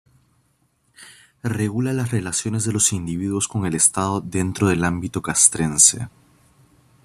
Regula las relaciones de los individuos con el Estado dentro del ámbito castrense.